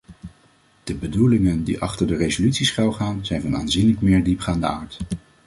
De bedoelingen die achter de resolutie schuilgaan, zijn van aanzienlijk meer diepgaande aard.